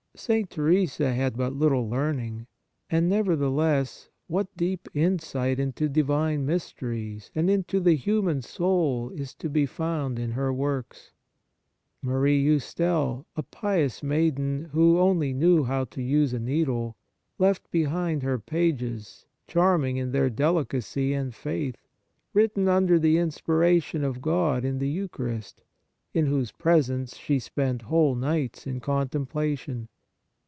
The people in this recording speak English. St. Theresa had but little learning, and, nevertheless, what deep insight into divine mysteries and into the human soul is to be found in her works ! Marie Eustelle, a pious maiden, who only knew how to use a needle, left behind her pages, charm ing in their delicacy and faith, written under the inspiration of God in the Eucharist, in whose presence she spent whole nights in contemplation.